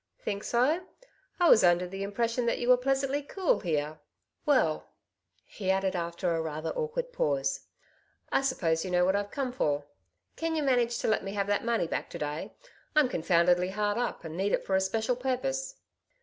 ''^' Think so ? I was under the impression that you were pleasantly cool here. Well/^ he added after a rather awkward pause ;'^ I suppose you know what I come for? Can you manage to let me have that money back to day? I'm confoundedly hard up, and need it for a special purpose."